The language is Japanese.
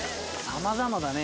さまざまだね